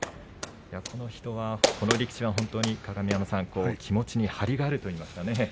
この力士は鏡山さん気持ちに張りがあるといいますかね。